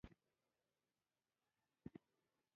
آیا له تیرو تر ننه نه دی؟